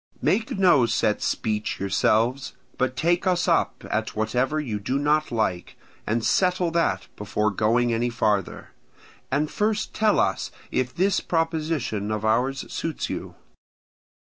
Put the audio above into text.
Make no set speech yourselves, but take us up at whatever you do not like, and settle that before going any farther. And first tell us if this proposition of ours suits you.